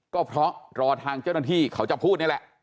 ก็เพราะรอทางเจ้าหน้าที่เขาจะพูดนี่แหละ